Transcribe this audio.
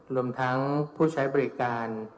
รวมทั้งผู้ใช้บริการ